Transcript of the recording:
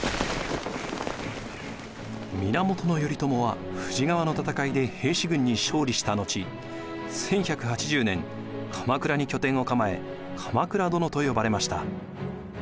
源頼朝は富士川の戦いで平氏軍に勝利した後１１８０年鎌倉に拠点を構え鎌倉殿と呼ばれました。